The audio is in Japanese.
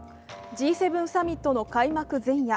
Ｇ７サミットの開幕前夜